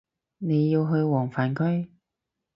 你要去黃泛區